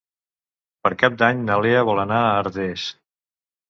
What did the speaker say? Per Cap d'Any na Lea vol anar a Artés.